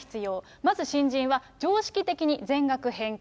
まず新人は、常識的に全額返金。